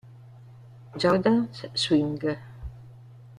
Jordan Swing